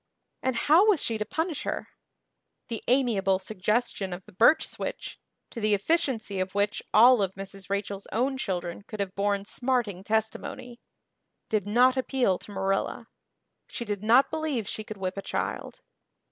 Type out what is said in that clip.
And how was she to punish her? The amiable suggestion of the birch switch to the efficiency of which all of Mrs. Rachel's own children could have borne smarting testimony did not appeal to Marilla. She did not believe she could whip a child.